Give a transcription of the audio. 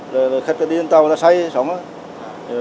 rồi khách cái điên tàu nó say xong rồi